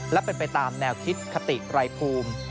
และเป็นไปตามแนวคิดคติไรภูมิ